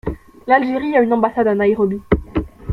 L'Algérie a une ambassade à Nairobi.